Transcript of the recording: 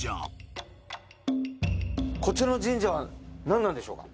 こちらの神社は何なんでしょうか？